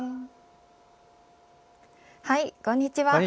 こんにちは。